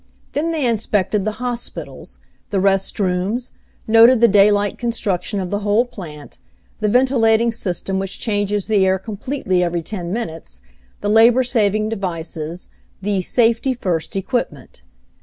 Then they inspected the hospitals, the rest rooms, noted the daylight construction of the whole plant, the ventilating system which changes the air completely every ten minutes, the labor saving devices, the "safety first" equipment.